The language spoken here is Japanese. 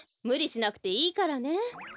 むりしなくていいからね。